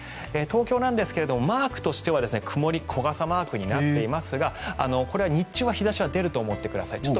東京なんですがマークとしては曇り、小傘マークになっていますが日中は日差しが出ると思ってください。